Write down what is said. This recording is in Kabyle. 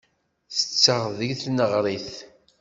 Ttetteɣ deg tneɣrit.